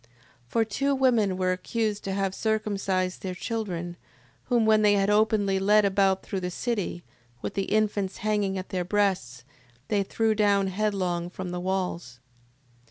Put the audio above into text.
6:10. For two women were accused to have circumcised their children: whom, when they had openly led about through the city, with the infants hanging at their breasts, they threw down headlong from the walls.